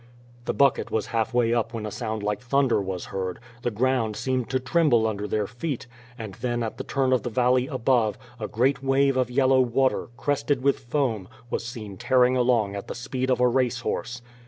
The bucket was halfway up when a sound like thunder was heard, the ground seemed to tremble under their feet, and then at the turn of the valley above, a great wave of yellow water, crested with foam, was seen tearing along at the speed of a race horse.